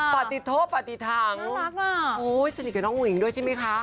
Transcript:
ปฏิโธปฏิทังค์โอ้โหสนิกกับน้องอุ๋อิงด้วยใช่ไหมคะ